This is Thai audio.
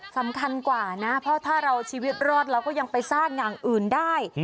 สำคัญกว่านะเพราะถ้าเราชีวิตรอดเราก็ยังไปสร้างอย่างอื่นได้